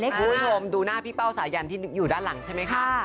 ๖๙ค่ะเล็กค่ะดูหน้าพี่เป้าสายันที่อยู่ด้านหลังใช่ไหมคะ